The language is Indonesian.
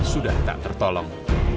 sudah tak tertolong